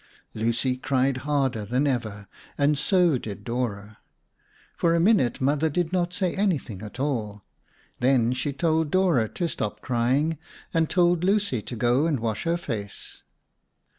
Lucy cried harder than ever and so did Dora. For a minute Mother did not say anything at all. Then she told Dora to stop crying and told Lucy to go and wash her face.